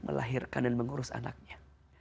melahirkan dan mengurus anaknya